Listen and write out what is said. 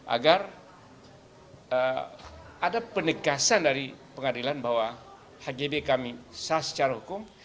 agar ada penegasan dari pengadilan bahwa hgb kami sah secara hukum